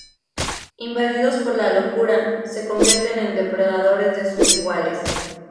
Invadidos por la locura, se convierten en depredadores de sus iguales.